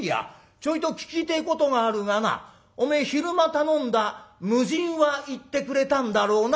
ちょいと聞きてえことがあるがなお前昼間頼んだ無尽は行ってくれたんだろうな？」。